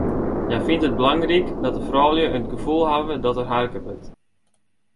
Hja fynt it belangryk dat de froulju it gefoel hawwe dat der harke wurdt.